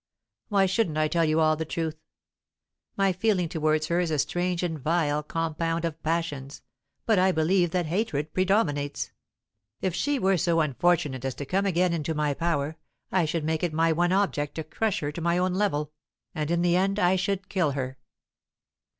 Why shouldn't I tell you all the truth? My feeling towards her is a strange and vile compound of passions, but I believe that hatred predominates. If she were so unfortunate as to come again into my power, I should make it my one object to crush her to my own level; and in the end I should kill her.